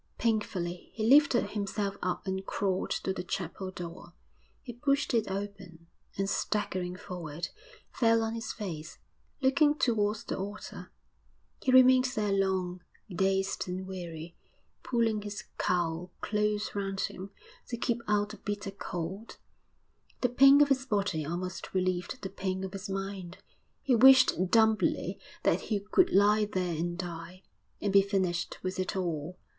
Painfully he lifted himself up and crawled to the chapel door; he pushed it open, and, staggering forward, fell on his face, looking towards the altar. He remained there long, dazed and weary, pulling his cowl close round him to keep out the bitter cold. The pain of his body almost relieved the pain of his mind; he wished dumbly that he could lie there and die, and be finished with it all.